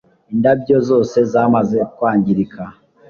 Indabyo zose zamaze kwangirika